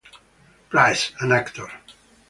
Price, an actor.